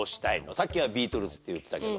さっきはビートルズって言ってたけど。